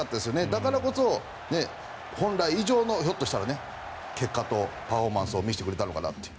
だからこそ、本来以上のひょっとしたら結果とパフォーマンスを見せてくれたのかなという。